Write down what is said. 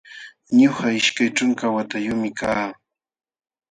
Ñuqa ishkay ćhunka watayuqmi kaa